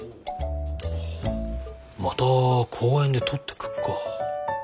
また公園でとってくっか。